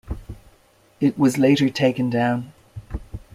It was later taken down.